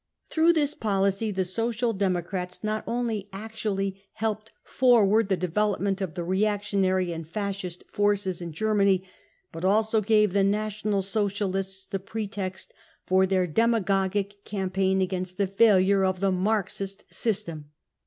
Through this policy the Social Democrats not only actually helped forward the development of the reactionary and* Fascist forces in Germany, but also gave the National Socialists the pretext for their demagogic campaign against * the failure of the " Marxist system."